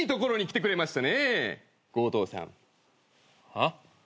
はっ？